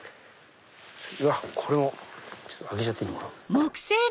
うわっこれも。開けちゃっていいのかな。